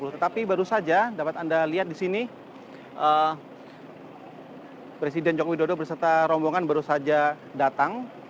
tetapi baru saja dapat anda lihat di sini presiden joko widodo berserta rombongan baru saja datang